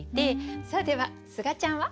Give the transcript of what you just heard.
さあではすがちゃんは？